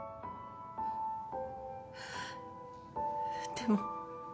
でも。